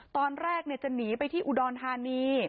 ตอนแรกจะหนีไปที่อุดรธานี